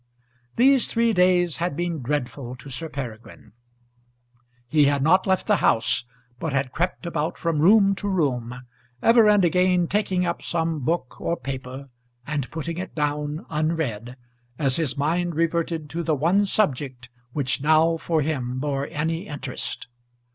These three days had been dreadful to Sir Peregrine. He had not left the house, but had crept about from room to room, ever and again taking up some book or paper and putting it down unread, as his mind reverted to the one subject which now for him bore any interest.